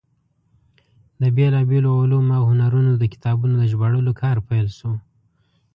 د بېلابېلو علومو او هنرونو د کتابونو د ژباړلو کار پیل شو.